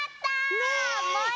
ねえ。